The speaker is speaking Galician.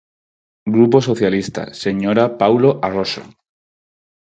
Grupo Socialista, señora Paulo Arroxo.